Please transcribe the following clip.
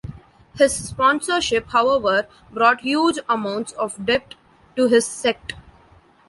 His sponsorship, however, brought huge amounts of debt to his sect.